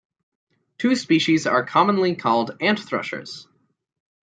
Two species are commonly called "ant-thrushes".